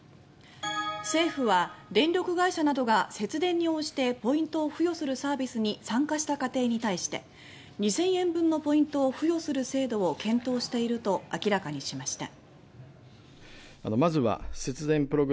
政府は、電力会社などが節電に応じてポイントを付与するサービスに参加した家庭に対して２０００円分のポイントを付与する制度を検討していると明らかにしました。